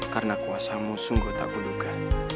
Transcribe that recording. karena kuasamu sungguh tak kuduga